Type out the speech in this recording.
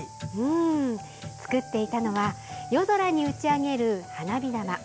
作っていたのは夜空に打ち上げる花火玉。